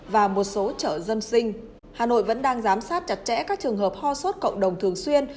và một số chợ dân sinh hà nội vẫn đang giám sát chặt chẽ các trường hợp ho sốt cộng đồng thường xuyên